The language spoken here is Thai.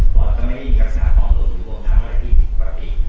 ปอดก็ไม่ได้มีลักษณะของลงหรือวงทางอะไรที่ผิดประติก